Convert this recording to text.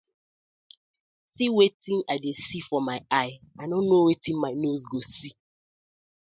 See wetin I dey see for my eye, I no no di tin wey my nose go see.